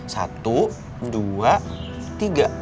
satu dua tiga